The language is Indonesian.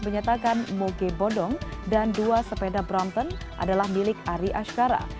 menyatakan moge bodong dan dua sepeda brompton adalah milik ari ashkara